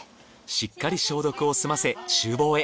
しっかり消毒を済ませ厨房へ。